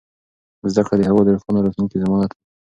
زده کړه د هېواد د روښانه راتلونکي ضمانت دی.